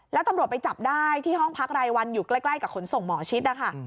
แล้วตำรวจไปจับได้ที่ห้องพักรายวันอยู่ใกล้กับขนส่งหมอชิดนะคะ